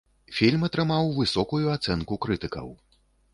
Фільм атрымаў высокую ацэнку крытыкаў.